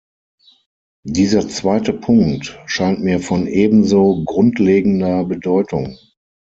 Dieser zweite Punkt scheint mir von ebenso grundlegender Bedeutung.